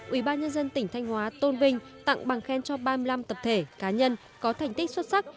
ubnd tỉnh thanh hóa tôn vinh tặng bằng khen cho ba mươi năm tập thể cá nhân có thành tích xuất sắc